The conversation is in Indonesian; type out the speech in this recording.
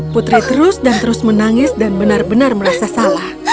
putri terus dan terus menangis dan benar benar merasa salah